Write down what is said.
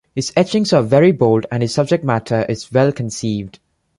His etchings are very bold and his subject matter is well conceived.